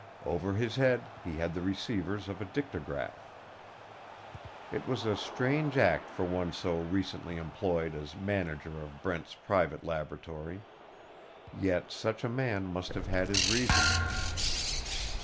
Over his head he had the receivers of a dictagraph. It was a strange act for one so recently employed as manager of Brent's private laboratory. Yet such a man must have had his reasons.